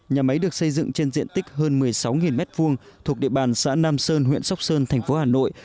nhà máy được xây dựng trên diện tích hơn một mươi sáu m hai thuộc địa bàn xã nam sơn huyện sóc sơn thành phố hà nội